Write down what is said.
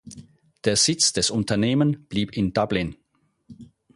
Der Sitz des Unternehmen blieb in Dublin.